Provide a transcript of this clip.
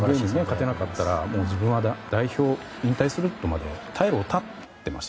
勝てなかったら代表を引退するとまで退路を断っていました。